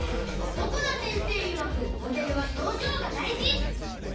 ここな先生いわくモデルは表情が大事！